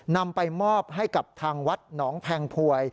นำไปมอบให้กับทางวัดหนองแพงพวย